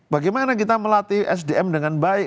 bagaimana kita melatih sdm dengan baik